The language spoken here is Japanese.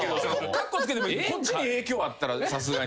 カッコつけてもこっちに影響あったらさすがに。